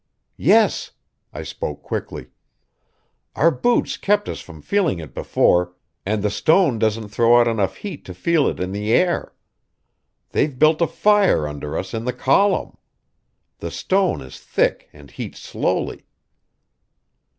"Yes." I spoke quickly. "Our boots kept us from feeling it before, and the stone doesn't throw out enough heat to feel it in the air. They've built a fire under us in the column. The stone is thick and heats slowly."